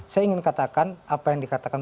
saya ingin katakan apa yang dikatakan